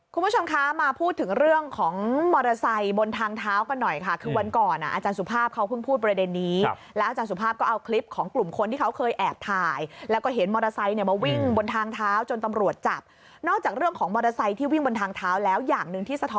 คุณผู้ชมคะมาพูดถึงเรื่องของมอเตอร์ไซค์บนทางเท้ากันหน่อยค่ะคือวันก่อนอาจารย์สุภาพเขาเพิ่งพูดประเด็นนี้แล้วอาจารย์สุภาพก็เอาคลิปของกลุ่มคนที่เขาเคยแอบถ่ายแล้วก็เห็นมอเตอร์ไซค์เนี่ยมาวิ่งบนทางเท้าจนตำรวจจับนอกจากเรื่องของมอเตอร์ไซค์ที่วิ่งบนทางเท้าแล้วอย่างหนึ่งที่สะท้อ